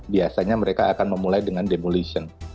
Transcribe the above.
biasanya mereka akan memulai dengan demulation